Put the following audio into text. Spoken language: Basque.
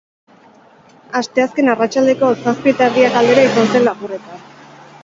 Asteazken arratsaldeko zazpi eta erdiak aldera izan zen lapurreta.